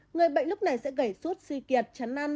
người bệnh lúc này sẽ gãy suốt suy kiệt chắn năn